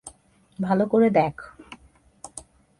ভালো করে দেখ।